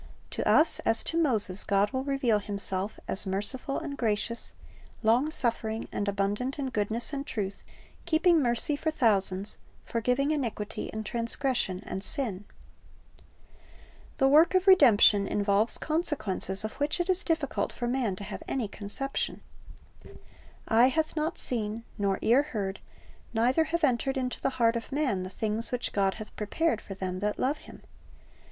To us, as to Moses, God will reveal Himself as "merciful and gracious, long suffering, and abundant in goodness and truth, keeping mercy for thousands, forgiving iniquity and transgression and sin."'' The work of redemption involves consequences of which 'Rev. 1:5 2I.sa.57:i5 ^Ex. 34:6, 7 Tzv o Wo r s h i p e r s 1 6 it is difficult for man to have any conception. "Eye hath not seen, nor ear heard, neither have entered into the heart of man, the things which God hath prepared for them that love Him."'